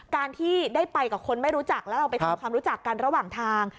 การที่ได้ไปกับคนไม่รู้จักแล้วเราไปทำความรู้จักกันระหว่างทาง